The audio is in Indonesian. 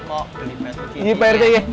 mau beli batu cincin